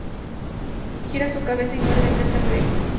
Gira su cabeza y muere de frente al Rey.